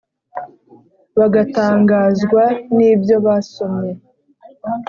bagatangazwa n’ ibyo basomye